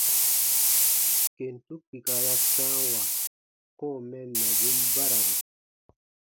Kentu kpika ya sãawa kɔ̃ɔ mɛnnabun bararu.